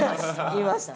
いました。